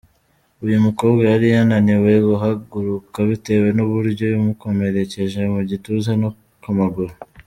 Uyu mukobwa yari yananiwe guhaguruka bitewe n’uburyo yamukomerekeje mu gituza no ku maguru.